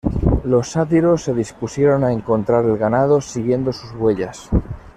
Los sátiros se dispusieron a encontrar el ganado, siguiendo sus huellas.